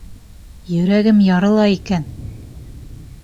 Йөрәгем ярыла икән!